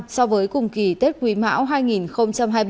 so với cùng kỳ tết quý mão hai nghìn một mươi chín